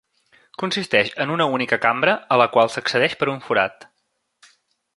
Consisteix en una única cambra a la qual s'accedeix per un forat.